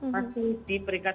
masih di peringkat dua puluh tiga